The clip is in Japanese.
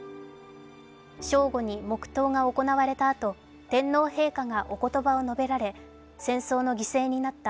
正午に黙とうが行われたあと天皇陛下がおことばを述べられ戦争の犠牲になった